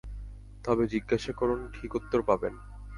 তবে জিজ্ঞাসা করুন, ঠিক উত্তর পাবেন।